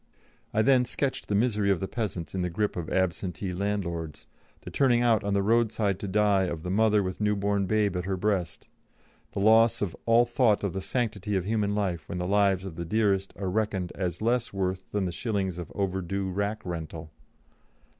I then sketched the misery of the peasants in the grip of absentee landlords, the turning out on the roadside to die of the mother with new born babe at her breast, the loss of "all thought of the sanctity of human life when the lives of the dearest are reckoned as less worth than the shillings of overdue rack rental."